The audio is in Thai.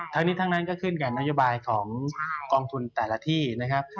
ทั้งนี้ทั้งนั้นก็ขึ้นกับนโยบายของกองทุนแต่ละที่นะครับ